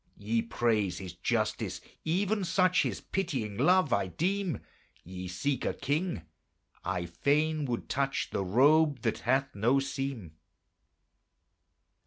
Ye praise His justice; even such His pitying love I deem: Ye seek a king; I fain would touch The robe that hath no seam.